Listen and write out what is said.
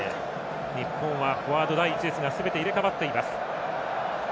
日本はフォワード第１列がすべて入れ代わっています。